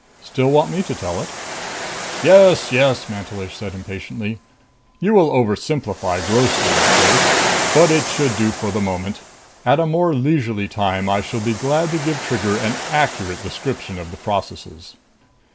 "Still want me to tell it?" "Yes, yes!" Mantelish said impatiently. "You will oversimplify grossly, of course, but it should do for the moment. At a more leisurely time I shall be glad to give Trigger an accurate description of the processes."